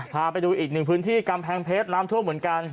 พาไปดูอีกหนึ่งพื้นที่กำแพงเพชรน้ำท่วมเหมือนกัน